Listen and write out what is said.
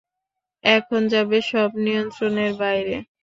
এখন যাবে সব নিয়ন্ত্রণের বাইরে।